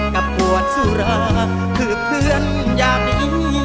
กับหวนสุราคือเพื่อนอย่างนี้